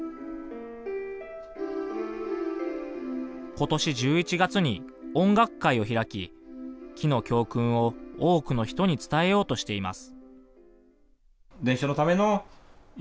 今年１１月に音楽会を開き木の教訓を多くの人に伝えようとしています。